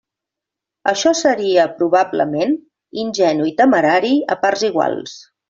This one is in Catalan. Això seria, probablement, ingenu i temerari a parts iguals.